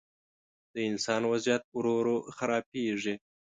د انسان وضعیت ورو، ورو خرابېږي.